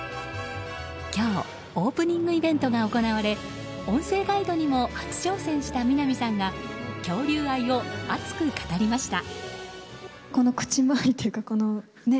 今日、オープニングイベントが行われ音声ガイドにも初挑戦した南さんが恐竜愛を熱く語りました。